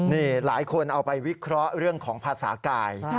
นี่หลายคนเอาไปวิเคราะห์เรื่องของภาษากาย